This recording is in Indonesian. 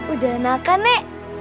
udah enakan nek